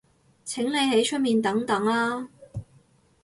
請你喺出面等等啦